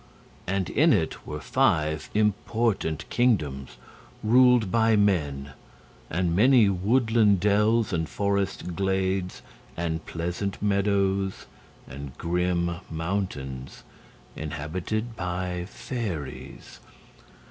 And in it were five important kingdoms ruled by men, and many woodland dells and forest glades and pleasant meadows and grim mountains inhabited by fairies.